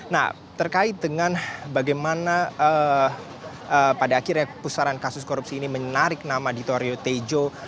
nah terkait dengan bagaimana pada akhirnya pusaran kasus korupsi ini menarik nama dito aryo tejo